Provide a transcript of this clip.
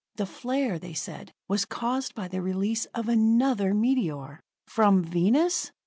The flare, they said, was caused by the release of another meteor! From Venus!